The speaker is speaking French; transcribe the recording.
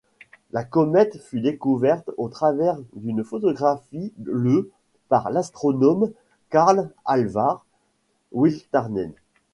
La comète fut découverte au travers d'une photographie le par l'astronome Carl Alvar Wirtanen.